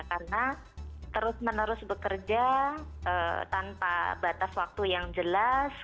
karena terus menerus bekerja tanpa batas waktu yang jelas